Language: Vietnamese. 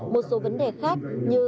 một số vấn đề khác như